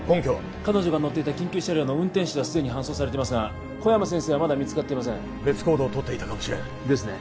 彼女が乗っていた緊急車両の運転手はすでに搬送されてますが小山先生はまだ見つかっていません別行動をとっていたかもしれんですね